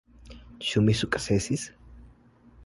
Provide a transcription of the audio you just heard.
Ĉu mi sukcesis?